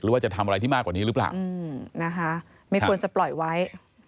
ว่าจะทำอะไรที่มากกว่านี้หรือเปล่านะคะไม่ควรจะปล่อยไว้